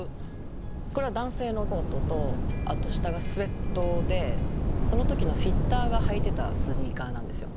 これは男性のコートとあと下がスエットでその時のフィッターが履いてたスニーカーなんですよ。